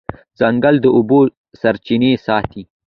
ځنګل د اوبو سرچینې ساتي.